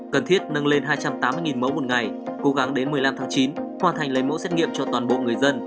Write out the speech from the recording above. cần thiết nâng lên hai trăm tám mươi mẫu một ngày cố gắng đến một mươi năm tháng chín hoàn thành lấy mẫu xét nghiệm cho toàn bộ người dân